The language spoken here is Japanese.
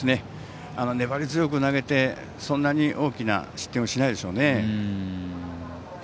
粘り強く投げてそんなに大きな失点をしないでしょうね。